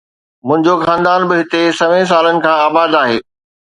منهنجو خاندان به هتي سوين سالن کان آباد آهي